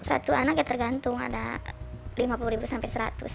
satu anak ya tergantung ada lima puluh sampai seratus